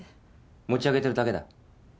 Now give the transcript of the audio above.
持ち上げてるだけだ。